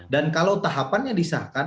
dan kalau tahapannya disahkan